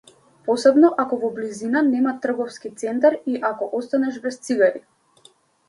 Посебно ако во близина нема трговски центар и ако останеш без цигари.